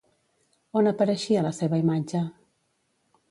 On apareixia la seva imatge?